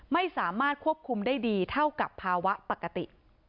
ไม่สามารถควบคุมได้ดีเท่ากับภาวะปกติ